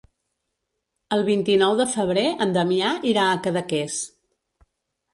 El vint-i-nou de febrer en Damià irà a Cadaqués.